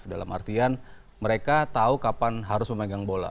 dalam artian mereka tahu kapan harus memegang bola